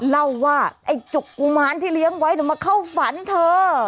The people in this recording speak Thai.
เล่าว่าไอ้จุกกุมารที่เลี้ยงไว้มาเข้าฝันเธอ